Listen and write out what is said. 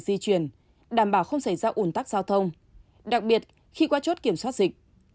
di chuyển đảm bảo không xảy ra ủn tắc giao thông đặc biệt khi qua chốt kiểm soát dịch